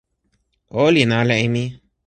o olin ala e mi!